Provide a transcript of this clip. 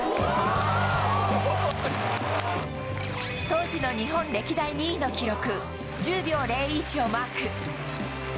当時の日本歴代２位の記録、１０秒０１をマーク。